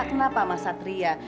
kenapa mas satria